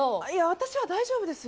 私は大丈夫ですよ。